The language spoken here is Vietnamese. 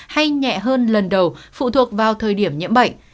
hay nhẹ hơn lần đầu phụ thuộc vào thời điểm nhiễm bệnh